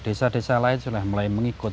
desa desa lain sudah mengikuti